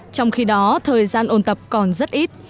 trong khi đó thời gian ôn tập còn rất ít